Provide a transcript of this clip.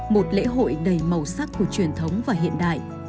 một lễ hội đầy màu sắc của truyền thống và hiện đại